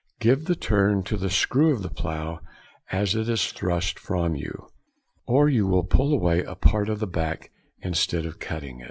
Give the turn to the screw of the plough as it is thrust from you, or you will pull away a part of the back instead of cutting it.